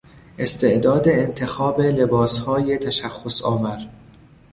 استعداد انتخاب لباسهای تشخصآور